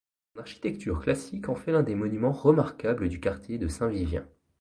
Son architecture classique en fait l'un des monuments remarquables du quartier de Saint-Vivien.